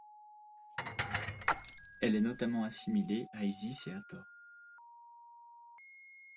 Elle est notamment assimilée à Isis et Hathor.